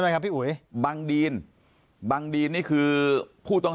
ปากกับภาคภูมิ